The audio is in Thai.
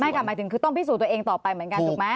ใช่ค่ะหมายถึงคือต้องพิสูจน์ตัวเองต่อไปเหมือนกันถูกไหม